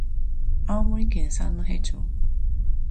青森県三戸町